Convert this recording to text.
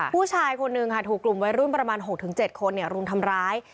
ผู้ชายคนนึงค่ะถูกกลุ่มวัยรุ่นประมาณ๖๗คนรุมทำร้าย